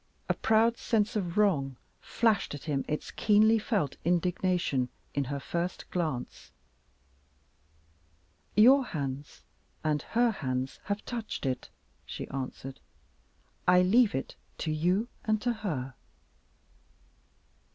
A proud sense of wrong flashed at him its keenly felt indignation in her first glance. "Your hands and her hands have touched it," she answered. "I leave it to you and to her."